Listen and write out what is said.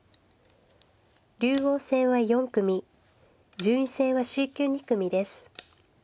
竜王戦は４組順位戦はＣ級２組です。